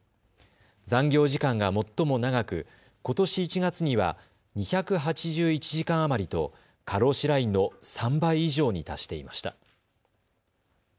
残業時間が最も長く、ことし１月には２８１時間余りと過労死ラインの３倍以上に達していました。